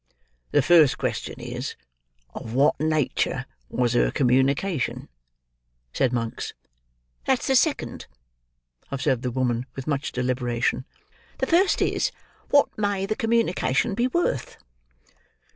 "The first question is, of what nature was her communication?" said Monks. "That's the second," observed the woman with much deliberation. "The first is, what may the communication be worth?"